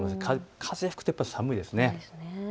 風が吹くと寒いですね。